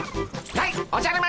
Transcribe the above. やいおじゃる丸